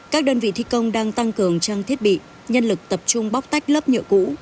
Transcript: các đơn vị thi công đang tăng cường trang thiết bị nhân lực tập trung bóc tách lớp nhựa cũ